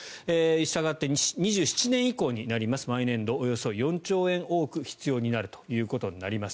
したがって２７年以降になります毎年度およそ４兆円多く必要となるということになります。